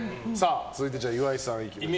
続いて、岩井さんいきましょう。